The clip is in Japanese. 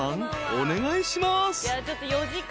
お願いします］